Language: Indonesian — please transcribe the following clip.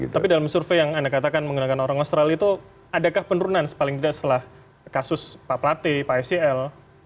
tapi dalam survei yang anda katakan menggunakan orang australia itu adakah penurunan paling tidak setelah kasus pak plate pak sel